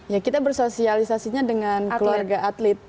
ya kita bersosialisasinya dengan keluarga atlet